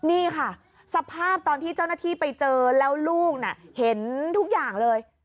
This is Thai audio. นี่ค่ะสภาพตอนที่เจ้าหน้าที่ไปเจอแล้วลูกน่ะเห็นทุกอย่างเลย